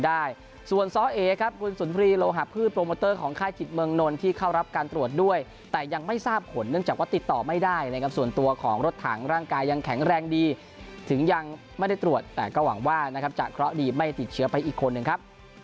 ได้นะครับส่วนตัวของรถถังร่างกายยังแข็งแรงดีถึงยังไม่ได้ตรวจแต่ก็หวังว่านะครับจะเคราะห์ดีไม่ติดเชื้อไปอีกคนหนึ่งครับ